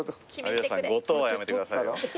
有吉さん５等はやめてくださいよ。